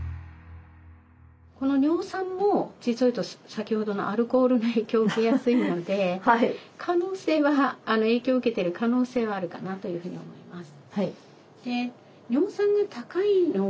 この尿酸も実を言うと先ほどのアルコールの影響受けやすいので影響を受けてる可能性はあるかなというふうに思います。